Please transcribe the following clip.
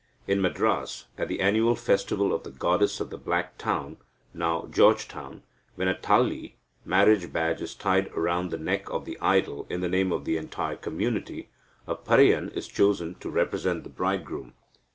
In Madras, at the annual festival of the goddess of the Black Town (now George Town ), when a tali (marriage badge) is tied round the neck of the idol in the name of the entire community, a Pareyan is chosen to represent the bridegroom.